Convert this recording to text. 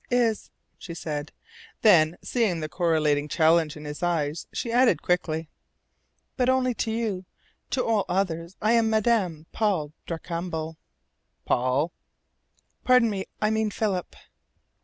"Is," she said; then, seeing the correcting challenge in his eyes she added quickly: "But only to you. To all others I am Madame Paul Darcambal." "Paul?" "Pardon me, I mean Philip."